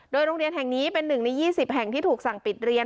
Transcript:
โรงเรียนแห่งนี้เป็น๑ใน๒๐แห่งที่ถูกสั่งปิดเรียน